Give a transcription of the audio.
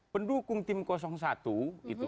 pendukung tim satu itu